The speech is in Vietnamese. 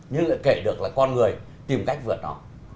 nhưng lại kể được là con người tìm cách vượt nó